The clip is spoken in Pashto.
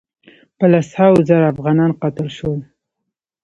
په لس هاوو زره انسانان قتل شول.